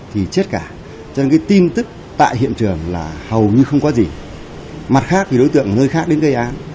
hầu như không có gì mặt khác thì đối tượng ở nơi khác đến gây án